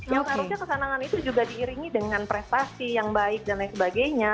yang seharusnya kesanaan itu juga diiringi dengan prestasi yang baik dan lain sebagainya